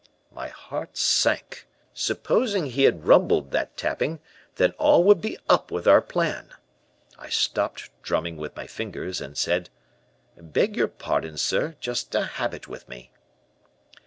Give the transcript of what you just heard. "My heart sank. Supposing he had rumbled that tapping, then all would be up with our plan. I stopped drumming with my fingers, and said: "'Beg your pardon, sir, just a habit with me.'